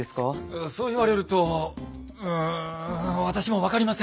あそう言われるとうん私も分かりません。